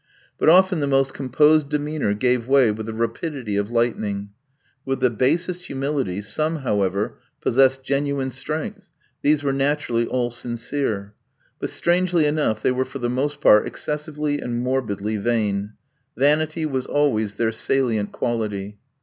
But often the most composed demeanour gave way with the rapidity of lightning. With the basest humility some, however, possessed genuine strength; these were naturally all sincere. But strangely enough, they were for the most part excessively and morbidly vain. Vanity was always their salient quality.